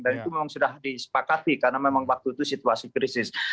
dan itu memang sudah disepakati karena memang waktu itu situasi krisis